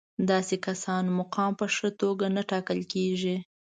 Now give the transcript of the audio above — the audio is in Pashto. داسې کسانو مقام په ښه توګه نه ټاکل کېږي.